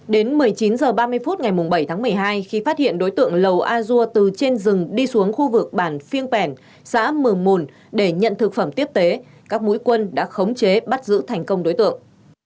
đến một mươi chín h ba mươi phút ngày bảy tháng một mươi hai khi phát hiện đối tượng lầu a dua từ trên rừng đi xuống khu vực bản phiêng pèn xã mường mồn để nhận thực phẩm tiếp tế các mũi quân đã khống chế bắt giữ thành công đối tượng